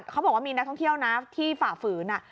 เขาบอกว่ามีนักท่องเที่ยวนะที่ฝ่าฝืน